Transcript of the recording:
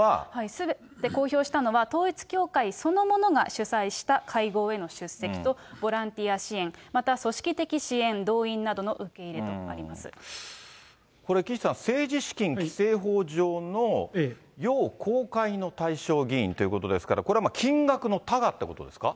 すべて公表したのは、統一教会そのものが主催した会合への出席と、ボランティア支援、また組織的支援、これ、岸さん、政治資金規正法上の要公開の対象議員ということですから、これは金額の多寡ってことですか？